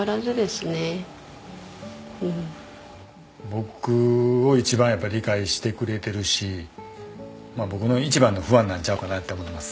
僕を一番やっぱり理解してくれてるし僕の一番のファンなんちゃうかなって思います。